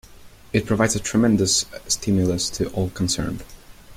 It provides a tremendous stimulus to all concerned.